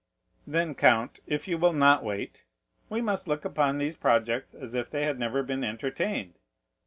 "Then, count, if you will not wait, we must look upon these projects as if they had never been entertained."